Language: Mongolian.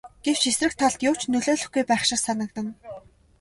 Гэвч эсрэг талд юу ч нөлөөлөхгүй байх шиг санагдана.